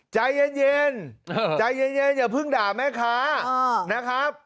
ใจเย็นใจเย็นอย่าเพิ่งด่าแม่ค้านะครับ